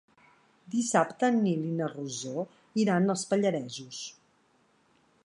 Dissabte en Nil i na Rosó iran als Pallaresos.